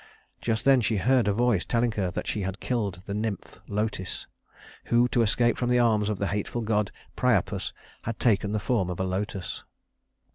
Just then she heard a voice telling her that she had killed the nymph Lotis, who, to escape from the arms of the hateful god Priapus, had taken the form of a lotus.